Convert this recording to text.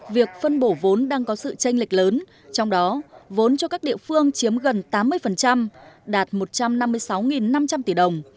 việc phân bổ vốn đang có sự tranh lệch lớn trong đó vốn cho các địa phương chiếm gần tám mươi đạt một trăm năm mươi sáu năm trăm linh tỷ đồng